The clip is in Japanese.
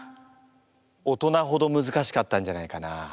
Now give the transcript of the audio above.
大人ほどむずかしかったんじゃないかな？